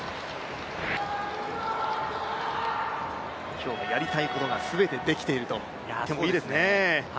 今日もやりたいことが全てできていると言っていいですね。